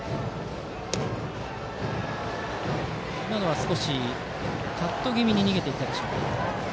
今のは少しカット気味に逃げて行ったでしょうか。